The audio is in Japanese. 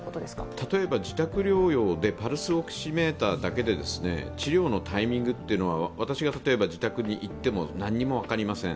例えば自宅療養で、パルスオキシメーターだけで治療のタイミングというのは私が自宅に行っても何にも分かりません。